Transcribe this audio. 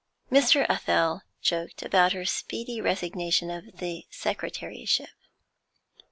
Mr. Athel joked about her speedy resignation of the secretaryship.